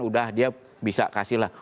udah dia bisa kasihlah